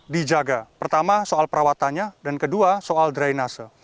dijaga pertama soal perawatannya dan kedua soal drainase